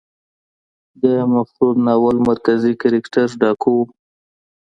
د مفرور ناول مرکزي کرکټر ډاکو و.